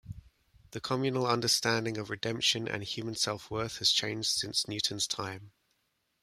The communal understanding of redemption and human self-worth has changed since Newton's time.